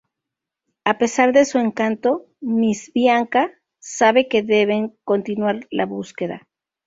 A pesar de su encanto, Miss Bianca sabe que deben continuar la búsqueda.